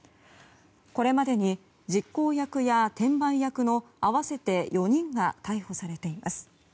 これまでに実行役や転売役の合わせて４人が逮捕されています。